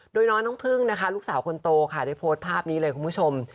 โดยน้อยน้องพึ่งลูกสาวคนโตได้โพสต์ภาพนี้เลยคุณผู้ชม